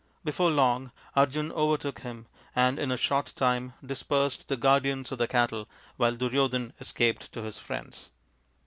Before long Arjun overtook him, and in a short time dispersed the guardians of the cattle, while Duryo dhan escaped to his friends.